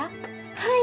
はい。